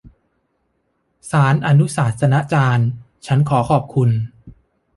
ศาลอนุศาสนาจารย์ฉันขอขอบคุณ